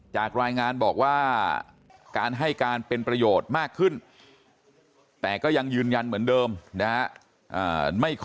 จากรายงานบอกว่าการให้การเป็นประโยชน์มากขึ้นแต่ก็ยังยืนยันเหมือนเดิมนะฮะ